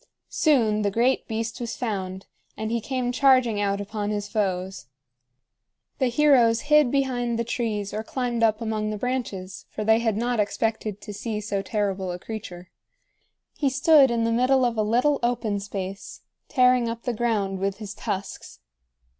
Soon the great beast was found, and he came charging out upon his foes. The heroes hid behind the trees or climbed up among the branches, for they had not expected to see so terrible a creature. He stood in the middle of a little open space, tearing up the ground with his tusks.